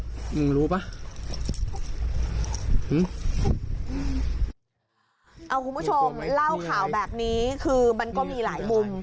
คุณผู้ชมเล่าข่าวแบบนี้คือมันก็มีหลายมุม